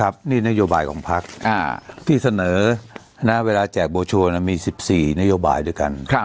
มี๑๔ยอบายเหมือนกัน